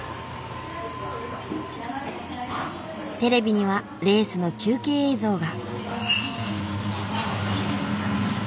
テレビにはレースの中継映像が。